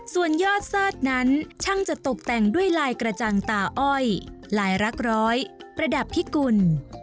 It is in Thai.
ส่วนยอดเสิร์ชนั้นช่างจะตกแต่งด้วยลายกระจังตาอ้อยลายรักร้อยประดับพิกุล